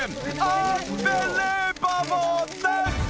アンビリーバボーです！